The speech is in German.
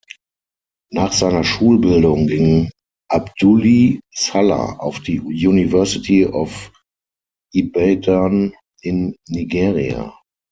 Nach seiner Schulbildung ging Abdoulie Sallah auf die University of Ibadan in Nigeria.